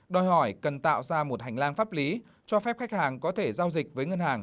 đòi hỏi cần tạo ra một hành lang pháp lý cho phép khách hàng có thể giao dịch với ngân hàng